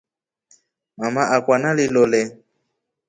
Mama akwa nalilole.